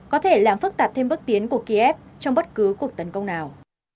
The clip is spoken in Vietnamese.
có thể làm phức tạp thêm bước tiến của kiev trong bất cứ cuộc tấn công nào